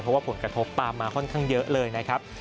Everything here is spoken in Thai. เพราะว่าผลกระทบตามมาค่อนข้างเยอะเลยนะครับ